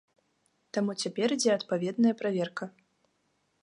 Таму цяпер ідзе адпаведная праверка.